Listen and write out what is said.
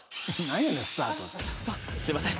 すいません。